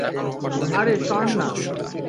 আরে, সর না!